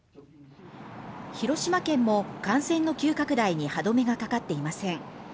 広島県も感染の急拡大に歯止めがかかっていません